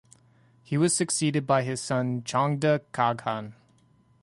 He was succeeded by his son Chongde Qaghan.